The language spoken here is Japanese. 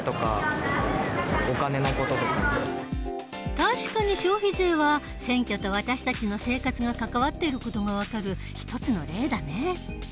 確かに消費税は選挙と私たちの生活が関わっている事が分かる一つの例だね。